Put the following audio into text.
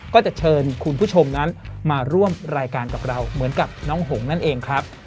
ก็จะเชิญคุณผู้ชมนั้นมาร่วมรายการกับเราเหมือนกับน้องหงนั่นเองครับ